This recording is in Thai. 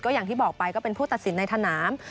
อย่างที่บอกไปก็เป็นผู้ตัดสินในสนาม